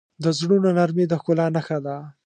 د زړونو نرمي د ښکلا نښه ده.